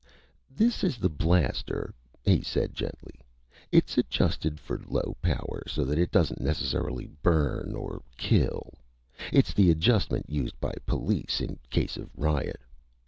"This is a blaster," he said gently. "It's adjusted for low power so that it doesn't necessarily burn or kill. It's the adjustment used by police in case of riot.